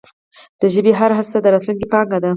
د ژبي هره هڅه د راتلونکې پانګه ده.